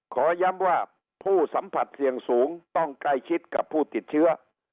ขอย้ำว่าผู้สัมผัสเสี่ยงสูงต้องใกล้ชิดกับผู้ติดเชื้อ